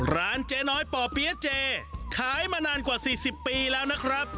ร้านเจ๊น้อยป่อเปี๊ยะเจขายมานานกว่า๔๐ปีแล้วนะครับ